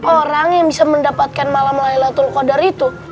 orang yang bisa mendapatkan malam laylatul qadar itu